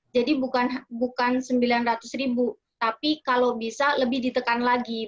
jadi bukan rp sembilan ratus tapi kalau bisa lebih ditekan lagi